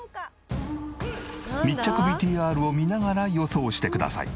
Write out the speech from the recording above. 密着ＶＴＲを見ながら予想してください。